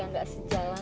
kenapa perasaan aku aja